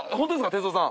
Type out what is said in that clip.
哲夫さん。